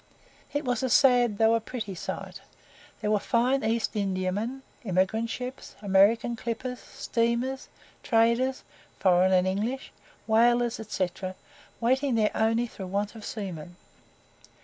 It was a sad though a pretty sight. There were fine East Indiamen, emigrant ships, American clippers, steamers, traders foreign and English whalers, &c., waiting there only through want of seamen.